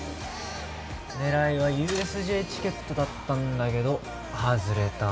狙いは ＵＳＪ チケットだったんだけどハズレた